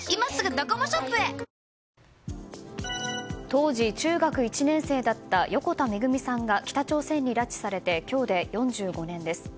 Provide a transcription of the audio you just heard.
当時中学１年生だった横田めぐみさんが北朝鮮に拉致されて今日で４５年です。